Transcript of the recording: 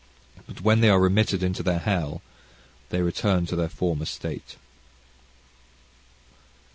But when they are remitted into their hell, they return to their former state."...